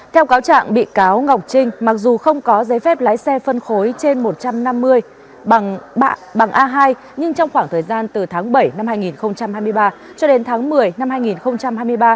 theo cáo trạng bị cáo ngọc trinh mặc dù không có giấy phép lái xe phân khối trên một trăm năm mươi bằng a hai nhưng trong khoảng thời gian từ tháng bảy năm hai nghìn hai mươi ba cho đến tháng một mươi năm hai nghìn hai mươi ba